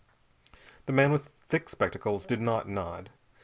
_" The man with thick spectacles did not nod.